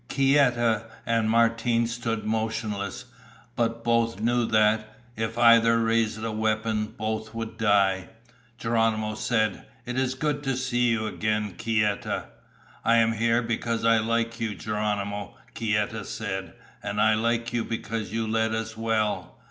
Kieta and Martine stood motionless. But both knew that, if either raised a weapon, both would die. Geronimo said, "It is good to see you again, Kieta." "I am here because I like you, Geronimo," Kieta said, "and I like you because you led us well.